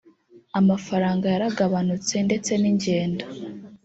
amafaranga yaragabanutse ndetse n’ingendo